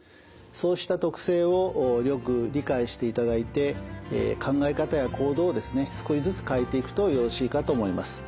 そうした特性をよく理解していただいて考え方や行動をですね少しずつ変えていくとよろしいかと思います。